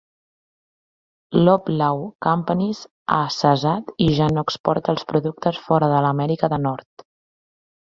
Loblaw Companies ha cessat i ja no exporta els productes fora de l'Amèrica de Nord.